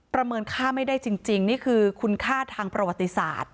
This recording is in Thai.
เมินค่าไม่ได้จริงนี่คือคุณค่าทางประวัติศาสตร์